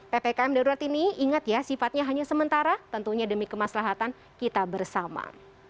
ppkm darurat ini ingat ya sifatnya hanya sementara tentunya demi kemaslahatan kita bersama